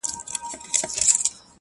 o وږی په خوب ټيکۍ ويني!